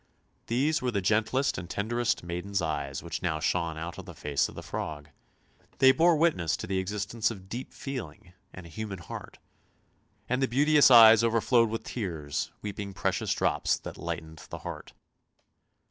These were the gentlest and tenderest maiden's eyes which now shone out of the face of the frog. They bore witness to the existence of deep feeling and a human heart ; and the beauteous eyes overflowed with tears, weeping precious drops that lightened the heart.